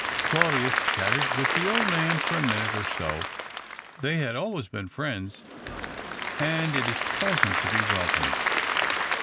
Claudius chatted with the old man for a minute or so ; they had always been friends, and it is pleasant to be welcomed.